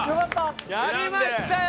やりましたよ！